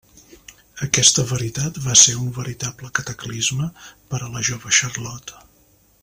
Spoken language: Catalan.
Aquesta veritat va ser un veritable cataclisme per a la jove Charlotte.